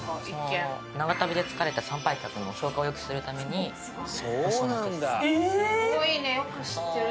長旅で疲れた参拝客の消化を良くするためにコシをなくしてる。